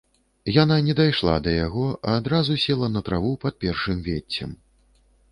Яна не дайшла да яго, а адразу села на траву пад першым веццем.